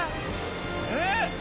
えっ？